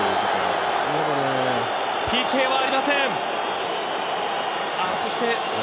ＰＫはありません。